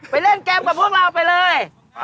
เล่นเกมกับพวกเราไปเลย